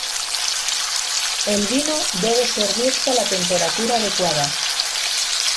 El vino debe servirse a la temperatura adecuada.